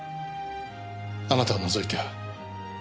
あなたを除いては。